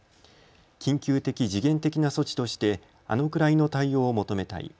緊急的、時限的な措置としてあのくらいの対応を求めたい。